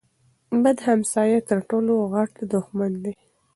بد همسایه تر ټولو غټ دښمن دی.